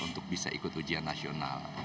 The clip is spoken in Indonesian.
untuk bisa ikut ujian nasional